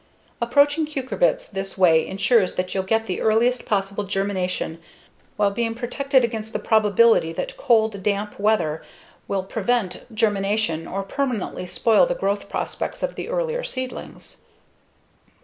Approaching cucurbits this way ensures that you'll get the earliest possible germination while being protected against the probability that cold, damp weather will prevent germination or permanently spoil the growth prospects of the earlier seedlings.